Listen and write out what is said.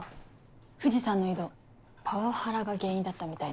藤さんの異動パワハラが原因だったみたいです。